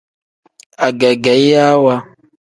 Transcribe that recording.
Agegeyiwa.